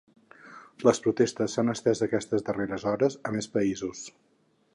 Les protestes s’han estès aquestes darreres hores a més països.